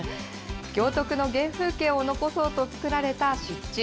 行徳の原風景を残そうと作られた湿地。